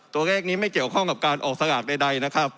ตัวเลขนี้ไม่เกี่ยวข้องกับการออกสลากใดนะครับ